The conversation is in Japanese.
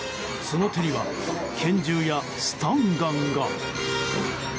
その手には拳銃やスタンガンが。